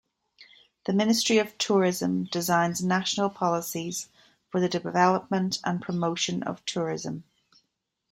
The Ministry of Tourism designs national policies for the development and promotion of tourism.